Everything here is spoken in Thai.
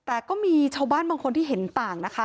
แต่ก็มีชาวบ้านบางคนที่เห็นต่างนะคะ